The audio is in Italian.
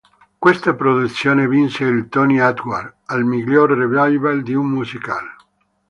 Questa produzione vinse il Tony Award al miglior revival di un musical.